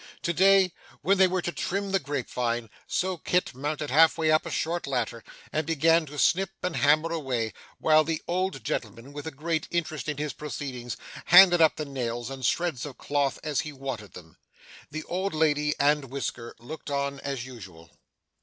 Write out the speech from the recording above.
To day they were to trim the grape vine, so Kit mounted half way up a short ladder, and began to snip and hammer away, while the old gentleman, with a great interest in his proceedings, handed up the nails and shreds of cloth as he wanted them. The old lady and Whisker looked on as usual.